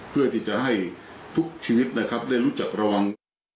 เพื่อที่จะให้ทุกชีวิตนะครับได้รู้จักระวัง